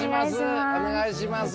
お願いします。